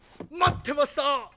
待ってました！